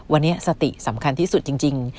วันนี้สติสำคัญที่สุดจริง